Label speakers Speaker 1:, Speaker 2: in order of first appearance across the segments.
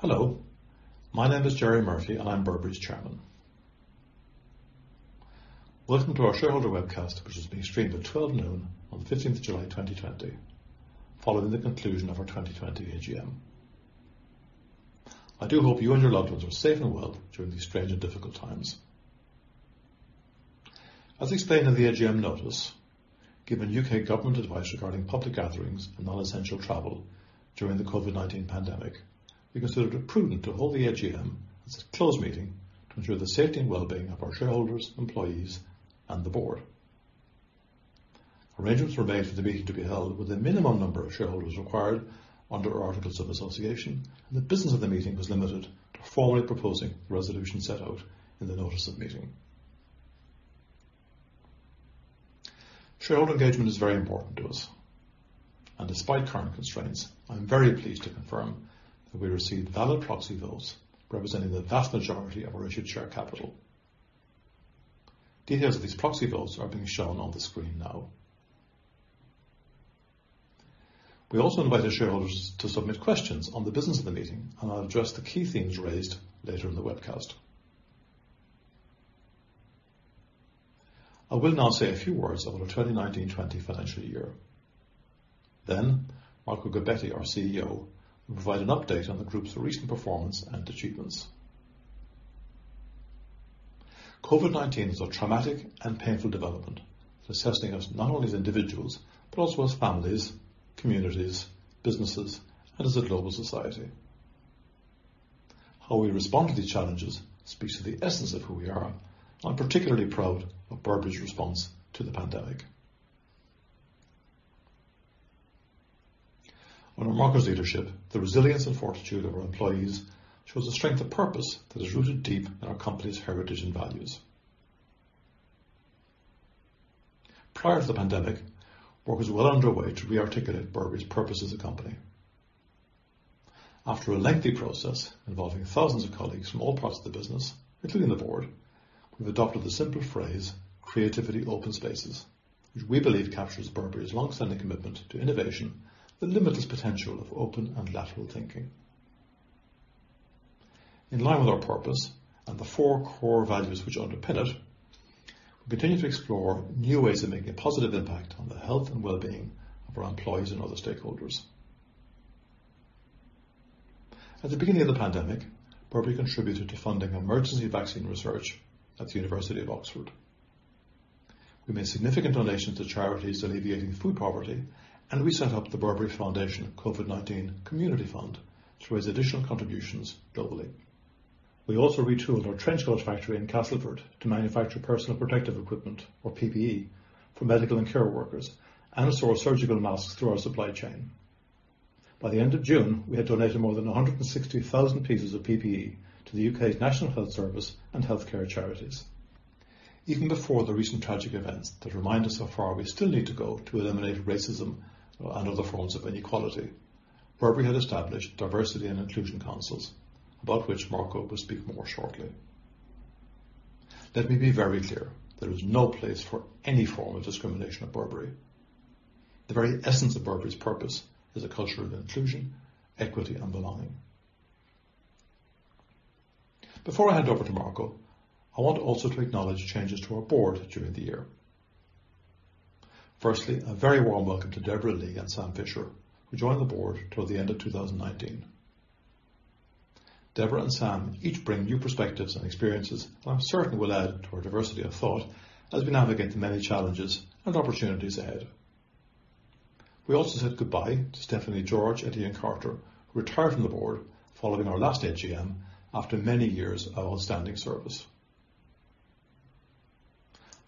Speaker 1: Hello. My name is Gerry Murphy, and I'm Burberry's chairman. Welcome to our shareholder webcast, which is being streamed at 12 noon on the 15th of July, 2020, following the conclusion of our 2020 AGM. I do hope you and your loved ones are safe and well during these strange and difficult times. As explained in the AGM notice, given U.K. government advice regarding public gatherings and non-essential travel during the COVID-19 pandemic, we considered it prudent to hold the AGM as a closed meeting to ensure the safety and wellbeing of our shareholders, employees, and the board. Arrangements were made for the meeting to be held with a minimum number of shareholders required under our articles of association, and the business of the meeting was limited to formally proposing the resolution set out in the notice of meeting. Shareholder engagement is very important to us, and despite current constraints, I am very pleased to confirm that we received valid proxy votes representing the vast majority of our issued share capital. Details of these proxy votes are being shown on the screen now. We also invited shareholders to submit questions on the business of the meeting, and I'll address the key themes raised later in the webcast. I will now say a few words about our 2019-2020 financial year. Marco Gobbetti, our CEO, will provide an update on the group's recent performance and achievements. COVID-19 is a traumatic and painful development that is testing us not only as individuals, but also as families, communities, businesses, and as a global society. How we respond to these challenges speaks to the essence of who we are, and I'm particularly proud of Burberry's response to the pandemic. Under Marco's leadership, the resilience and fortitude of our employees shows a strength of purpose that is rooted deep in our company's heritage and values. Prior to the pandemic, work was well underway to re-articulate Burberry's purpose as a company. After a lengthy process involving thousands of colleagues from all parts of the business, including the board, we've adopted the simple phrase, Creativity Open spaces, which we believe captures Burberry's longstanding commitment to innovation, the limitless potential of open and lateral thinking. In line with our purpose and the four core values which underpin it, we continue to explore new ways of making a positive impact on the health and wellbeing of our employees and other stakeholders. At the beginning of the pandemic, Burberry contributed to funding emergency vaccine research at the University of Oxford. We made significant donations to charities alleviating food poverty, and we set up the Burberry Foundation COVID-19 Community Fund to raise additional contributions globally. We also retooled our trench coat factory in Castleford to manufacture personal protective equipment, or PPE, for medical and care workers, and sourced surgical masks through our supply chain. By the end of June, we had donated more than 160,000 pieces of PPE to the U.K.'s National Health Service and healthcare charities. Even before the recent tragic events that remind us how far we still need to go to eliminate racism and other forms of inequality, Burberry had established diversity and inclusion councils, about which Marco will speak more shortly. Let me be very clear. There is no place for any form of discrimination at Burberry. The very essence of Burberry's purpose is a culture of inclusion, equity, and belonging. Before I hand over to Marco, I want also to acknowledge changes to our board during the year. Firstly, a very warm welcome to Debra Lee and Sam Fischer, who joined the board toward the end of 2019. Debra and Sam each bring new perspectives and experiences that I'm certain will add to our diversity of thought as we navigate the many challenges and opportunities ahead. We also said goodbye to Stephanie George and Ian Carter, who retired from the board following our last AGM after many years of outstanding service.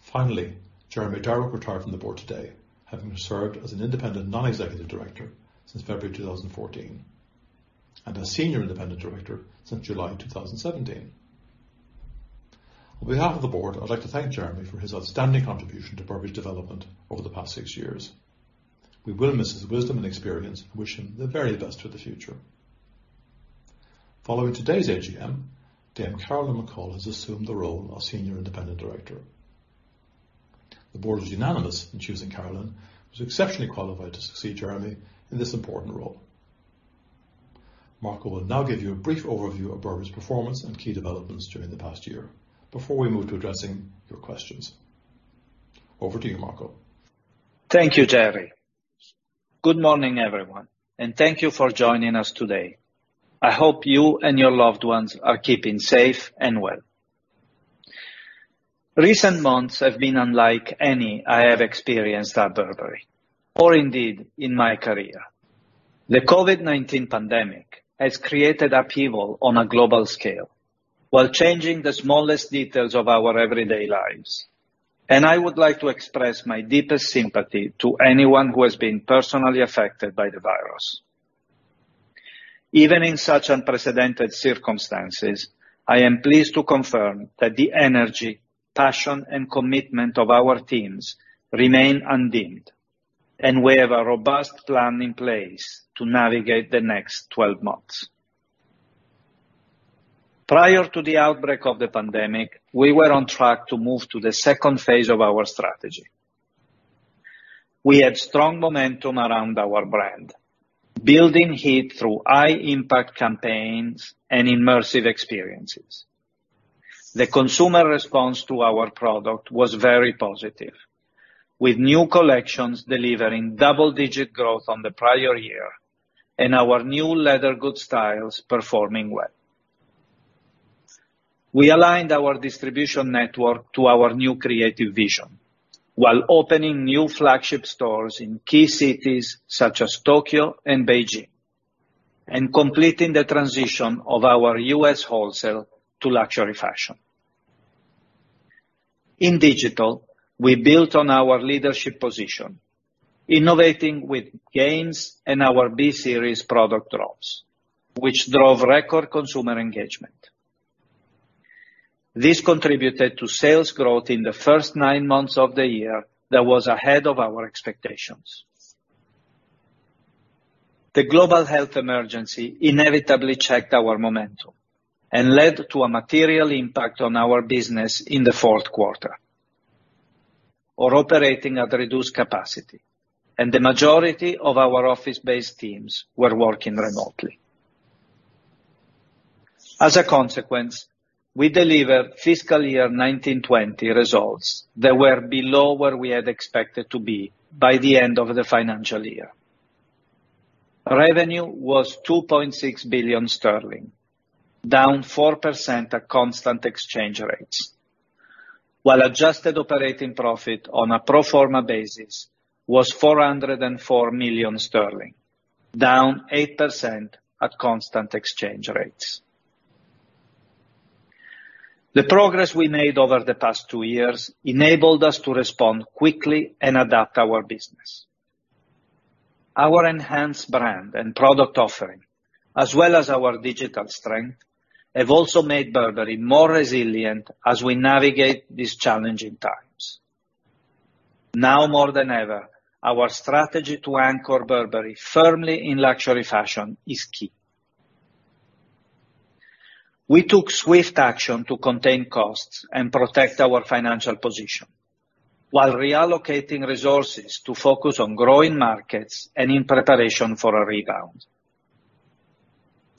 Speaker 1: Finally, Jeremy Darroch retired from the board today, having served as an independent non-executive director since February 2014 and a senior independent director since July 2017. On behalf of the board, I'd like to thank Jeremy for his outstanding contribution to Burberry's development over the past six years. We will miss his wisdom and experience and wish him the very best for the future. Following today's AGM, Dame Carolyn McCall has assumed the role of Senior Independent Director. The board was unanimous in choosing Carolyn, who is exceptionally qualified to succeed Jeremy in this important role. Marco will now give you a brief overview of Burberry's performance and key developments during the past year before we move to addressing your questions. Over to you, Marco.
Speaker 2: Thank you, Gerry. Good morning, everyone, thank you for joining us today. I hope you and your loved ones are keeping safe and well. Recent months have been unlike any I have experienced at Burberry, or indeed in my career. The COVID-19 pandemic has created upheaval on a global scale while changing the smallest details of our everyday lives, and I would like to express my deepest sympathy to anyone who has been personally affected by the virus. Even in such unprecedented circumstances, I am pleased to confirm that the energy, passion, and commitment of our teams remain undimmed, and we have a robust plan in place to navigate the next 12 months. Prior to the outbreak of the pandemic, we were on track to move to the second phase of our strategy. We had strong momentum around our brand, building heat through high impact campaigns and immersive experiences. The consumer response to our product was very positive, with new collections delivering double-digit growth on the prior year and our new leather goods styles performing well. We aligned our distribution network to our new creative vision while opening new flagship stores in key cities such as Tokyo and Beijing, and completing the transition of our U.S. wholesale to luxury fashion. In digital, we built on our leadership position, innovating with games and our B Series product drops, which drove record consumer engagement. This contributed to sales growth in the first nine months of the year that was ahead of our expectations. The global health emergency inevitably checked our momentum and led to a material impact on our business in the fourth quarter. We're operating at reduced capacity, and the majority of our office-based teams were working remotely. As a consequence, we delivered fiscal year 2019/2020 results that were below where we had expected to be by the end of the financial year. Revenue was 2.6 billion sterling, down 4% at constant exchange rates, while adjusted operating profit on a pro forma basis was 404 million sterling, down 8% at constant exchange rates. The progress we made over the past two years enabled us to respond quickly and adapt our business. Our enhanced brand and product offering, as well as our digital strength, have also made Burberry more resilient as we navigate these challenging times. Now more than ever, our strategy to anchor Burberry firmly in luxury fashion is key. We took swift action to contain costs and protect our financial position while reallocating resources to focus on growing markets and in preparation for a rebound.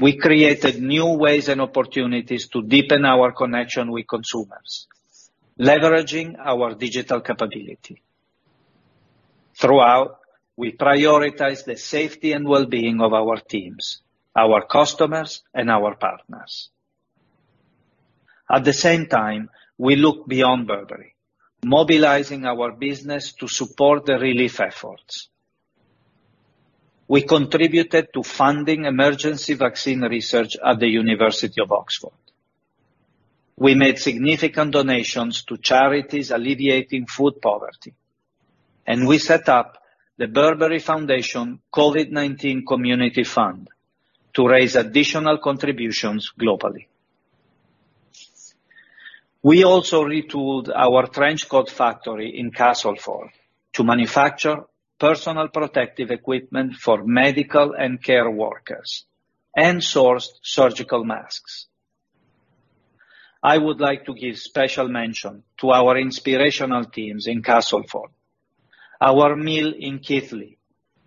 Speaker 2: We created new ways and opportunities to deepen our connection with consumers, leveraging our digital capability. Throughout, we prioritize the safety and wellbeing of our teams, our customers, and our partners. At the same time, we look beyond Burberry, mobilizing our business to support the relief efforts. We contributed to funding emergency vaccine research at the University of Oxford. We made significant donations to charities alleviating food poverty, and we set up the Burberry Foundation COVID-19 Community Fund to raise additional contributions globally. We also retooled our trench coat factory in Castleford to manufacture personal protective equipment for medical and care workers and sourced surgical masks. I would like to give special mention to our inspirational teams in Castleford, our mill in Keighley,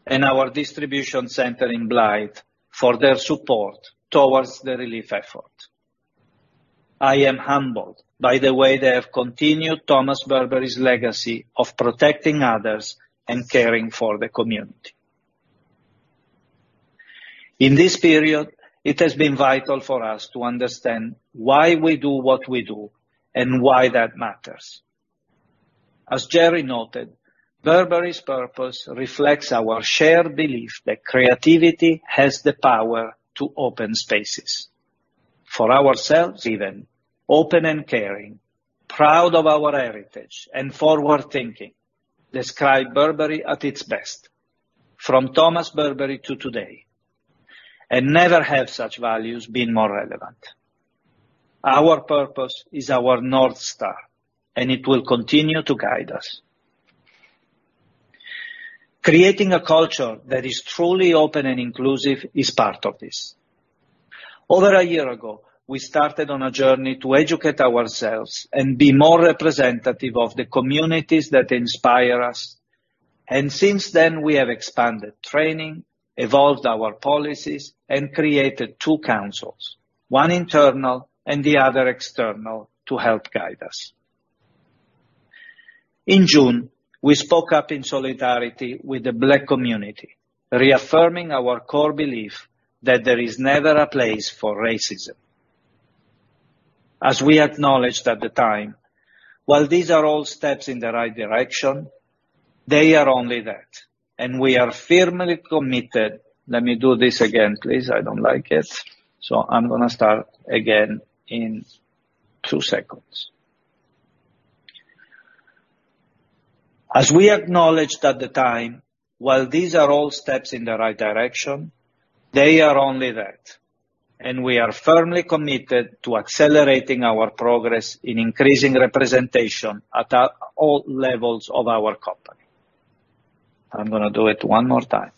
Speaker 2: and our distribution center in Blyth, for their support towards the relief effort. I am humbled by the way they have continued Thomas Burberry's legacy of protecting others and caring for the community. In this period, it has been vital for us to understand why we do what we do and why that matters. As Gerry noted, Burberry's purpose reflects our shared belief that creativity has the power to open spaces. For ourselves even, open and caring, proud of our heritage, and forward-thinking describe Burberry at its best, from Thomas Burberry to today, and never have such values been more relevant. Our purpose is our North Star, and it will continue to guide us. Creating a culture that is truly open and inclusive is part of this. Over a year ago, we started on a journey to educate ourselves and be more representative of the communities that inspire us, and since then, we have expanded training, evolved our policies, and created two councils, one internal and the other external, to help guide us. In June, we spoke up in solidarity with the Black community, reaffirming our core belief that there is never a place for racism. As we acknowledged at the time, while these are all steps in the right direction, they are only that, and we are firmly committed to accelerating our progress in increasing representation at all levels of our company. I'm going to do it one more time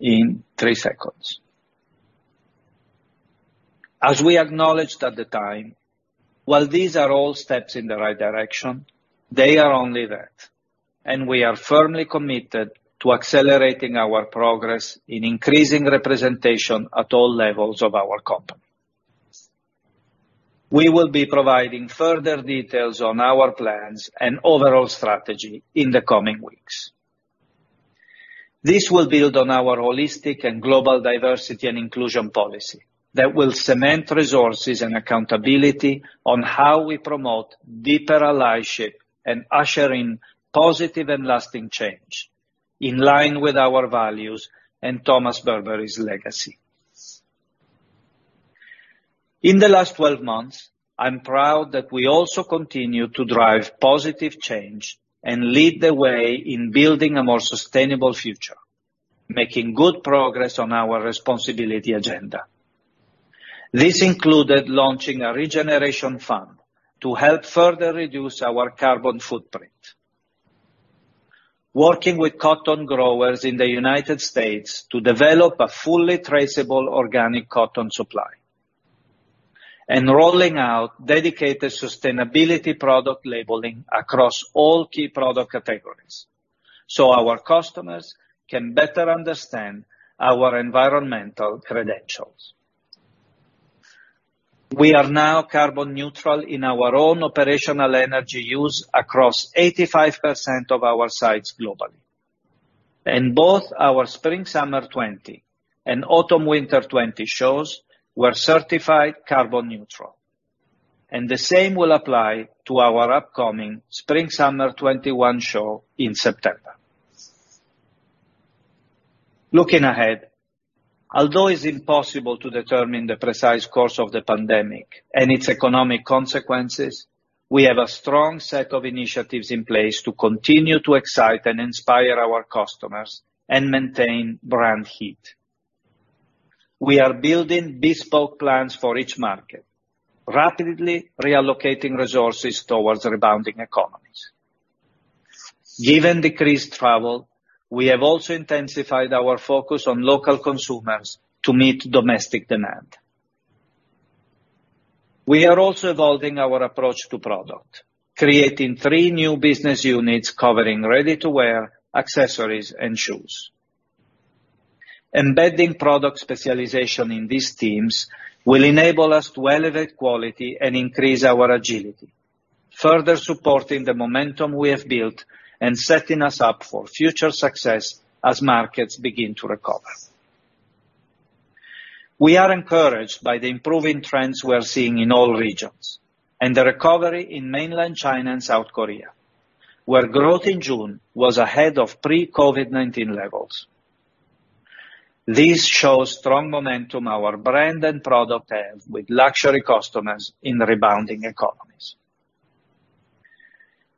Speaker 2: in three seconds. As we acknowledged at the time, while these are all steps in the right direction, they are only that, and we are firmly committed to accelerating our progress in increasing representation at all levels of our company. We will be providing further details on our plans and overall strategy in the coming weeks. This will build on our holistic and global diversity and inclusion policy that will cement resources and accountability on how we promote deeper allyship and usher in positive and lasting change, in line with our values and Thomas Burberry's legacy. In the last 12 months, I'm proud that we also continue to drive positive change and lead the way in building a more sustainable future, making good progress on our responsibility agenda. This included launching a regeneration fund to help further reduce our carbon footprint, working with cotton growers in the U.S. to develop a fully traceable organic cotton supply, and rolling out dedicated sustainability product labeling across all key product categories so our customers can better understand our environmental credentials. We are now carbon neutral in our own operational energy use across 85% of our sites globally. Both our spring-summer 2020 and autumn-winter 2020 shows were certified carbon neutral, and the same will apply to our upcoming spring-summer 2021 show in September. Looking ahead, although it's impossible to determine the precise course of the pandemic and its economic consequences, we have a strong set of initiatives in place to continue to excite and inspire our customers and maintain brand heat. We are building bespoke plans for each market, rapidly reallocating resources towards rebounding economies. Given decreased travel, we have also intensified our focus on local consumers to meet domestic demand. We are also evolving our approach to product, creating three new business units covering ready-to-wear, accessories, and shoes. Embedding product specialization in these teams will enable us to elevate quality and increase our agility, further supporting the momentum we have built and setting us up for future success as markets begin to recover. We are encouraged by the improving trends we are seeing in all regions, and the recovery in mainland China and South Korea, where growth in June was ahead of pre-COVID-19 levels. This shows strong momentum our brand and product have with luxury customers in rebounding economies.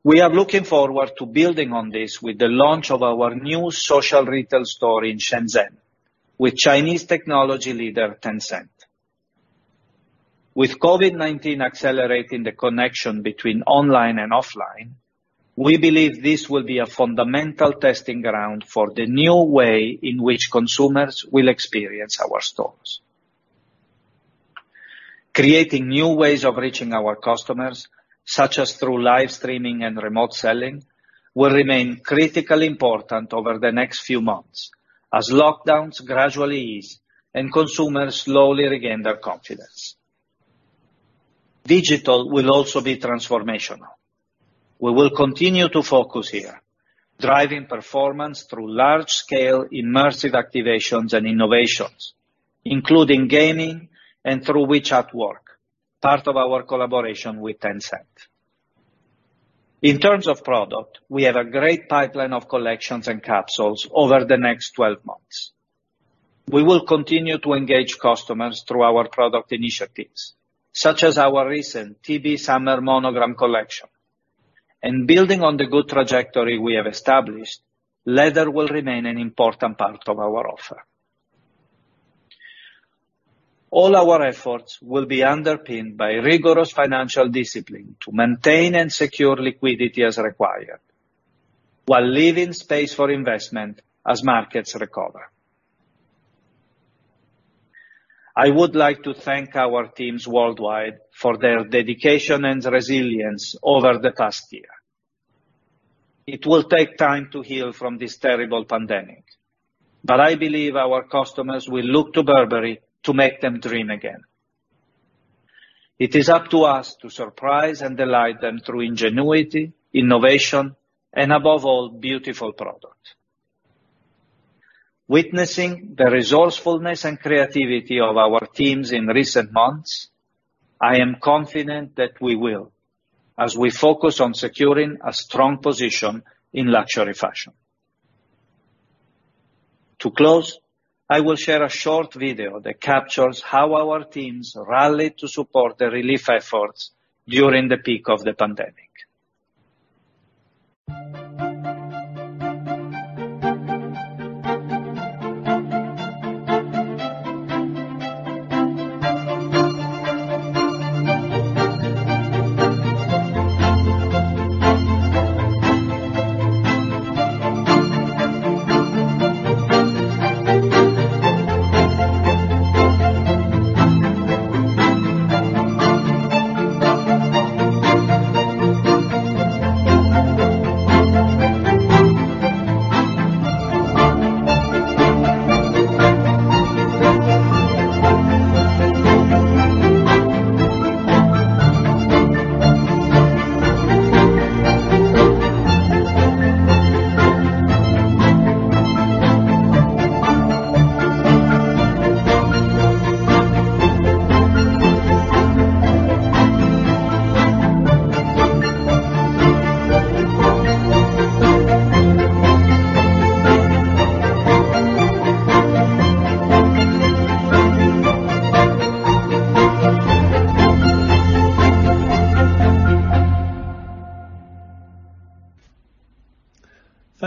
Speaker 2: We are looking forward to building on this with the launch of our new social retail store in Shenzhen with Chinese technology leader Tencent. With COVID-19 accelerating the connection between online and offline, we believe this will be a fundamental testing ground for the new way in which consumers will experience our stores. Creating new ways of reaching our customers, such as through live streaming and remote selling, will remain critically important over the next few months as lockdowns gradually ease and consumers slowly regain their confidence. Digital will also be transformational. We will continue to focus here, driving performance through large-scale immersive activations and innovations, including gaming and through WeChat Work, part of our collaboration with Tencent. In terms of product, we have a great pipeline of collections and capsules over the next 12 months. We will continue to engage customers through our product initiatives, such as our recent TB Summer Monogram collection. Building on the good trajectory we have established, leather will remain an important part of our offer. All our efforts will be underpinned by rigorous financial discipline to maintain and secure liquidity as required, while leaving space for investment as markets recover. I would like to thank our teams worldwide for their dedication and resilience over the past year. It will take time to heal from this terrible pandemic, but I believe our customers will look to Burberry to make them dream again. It is up to us to surprise and delight them through ingenuity, innovation, and above all, beautiful product. Witnessing the resourcefulness and creativity of our teams in recent months, I am confident that we will, as we focus on securing a strong position in luxury fashion. To close, I will share a short video that captures how our teams rallied to support the relief efforts during the peak of the pandemic.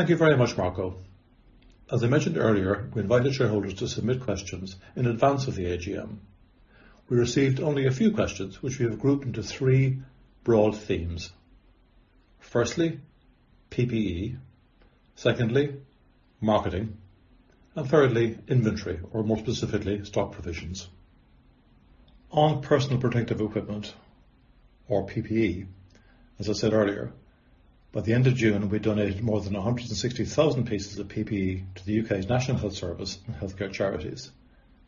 Speaker 1: Thank you very much, Marco. As I mentioned earlier, we invited shareholders to submit questions in advance of the AGM. We received only a few questions, which we have grouped into three broad themes. Firstly, PPE. Secondly, marketing, and thirdly, inventory, or more specifically, stock provisions. On personal protective equipment, or PPE, as I said earlier, by the end of June, we donated more than 160,000 pieces of PPE to the U.K.'s National Health Service and healthcare charities,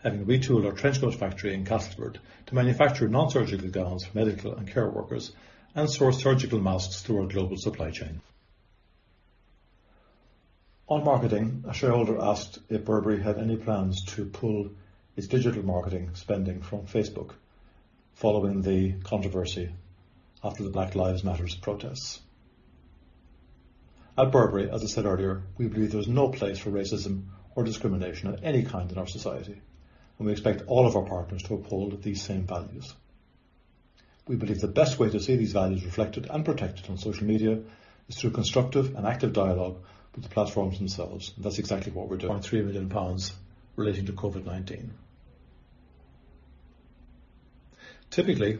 Speaker 1: having retooled our trench coat factory in Castleford to manufacture non-surgical gowns for medical and care workers and source surgical masks through our global supply chain. On marketing, a shareholder asked if Burberry had any plans to pull its digital marketing spending from Facebook following the controversy after the Black Lives Matter's protests. At Burberry, as I said earlier, we believe there is no place for racism or discrimination of any kind in our society, and we expect all of our partners to uphold these same values. We believe the best way to see these values reflected and protected on social media is through constructive and active dialogue with the platforms themselves. That's exactly what we're doing. 3 million pounds relating to COVID-19. Typically,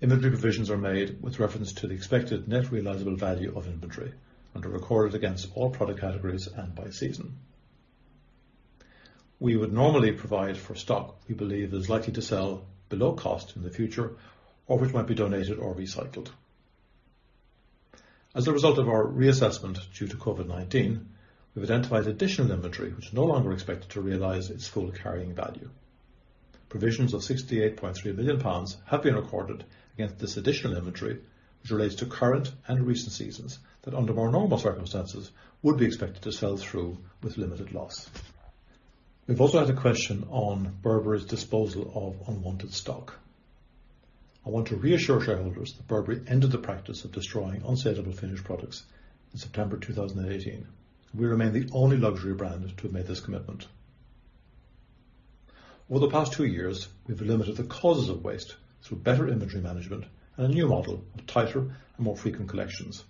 Speaker 1: inventory provisions are made with reference to the expected net realizable value of inventory and are recorded against all product categories and by season. We would normally provide for stock we believe is likely to sell below cost in the future, or which might be donated or recycled. As a result of our reassessment due to COVID-19, we've identified additional inventory, which is no longer expected to realize its full carrying value. Provisions of 68.3 million pounds have been recorded against this additional inventory, which relates to current and recent seasons, that under more normal circumstances, would be expected to sell through with limited loss. We've also had a question on Burberry's disposal of unwanted stock. I want to reassure shareholders that Burberry ended the practice of destroying unsaleable finished products in September 2018. We remain the only luxury brand to have made this commitment. Over the past two years, we've limited the causes of waste through better inventory management and a new model of tighter and more frequent collections,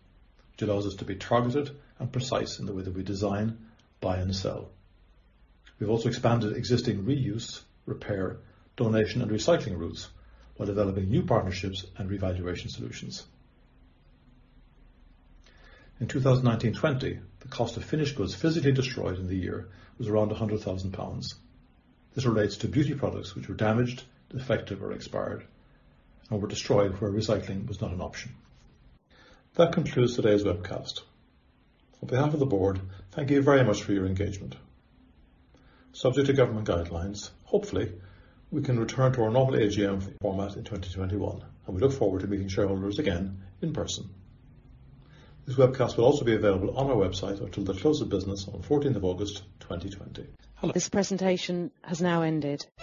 Speaker 1: which allows us to be targeted and precise in the way that we design, buy, and sell. We've also expanded existing reuse, repair, donation, and recycling routes while developing new partnerships and revaluation solutions. In 2019/2020, the cost of finished goods physically destroyed in the year was around 100,000 pounds. This relates to beauty products which were damaged, defective, or expired, and were destroyed where recycling was not an option. That concludes today's webcast. On behalf of the board, thank you very much for your engagement. Subject to government guidelines, hopefully, we can return to our normal AGM format in 2021, and we look forward to meeting shareholders again in person. This webcast will also be available on our website until the close of business on 14th of August, 2020.
Speaker 3: This presentation has now ended